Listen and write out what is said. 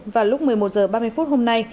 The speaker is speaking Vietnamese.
vào lúc một mươi một h ba mươi phút hôm nay